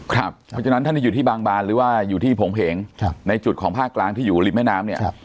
เพราะฉะนั้นท่านที่อยู่ที่บางบานหรือว่าอยู่ที่โผงเพงในจุดของภาคกลางที่อยู่ริมแม่น้ำเนี่ย